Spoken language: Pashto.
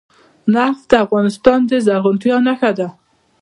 نفت د افغانستان د زرغونتیا نښه ده.